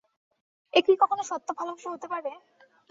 একি কখনো সত্য ভালোবাসা হতে পারে?